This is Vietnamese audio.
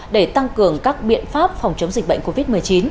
để tăng cường các biện pháp phòng chống dịch bệnh covid một mươi chín